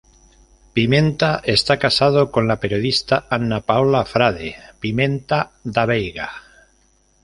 Pimenta está casado con la periodista Anna Paola Frade Pimenta da Veiga.